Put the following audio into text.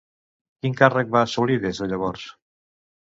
Quin càrrec va assolir des de llavors?